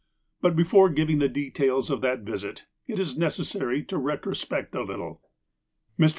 But, before giving the details of that visit, it is neces sary to retrospect a little. Mr.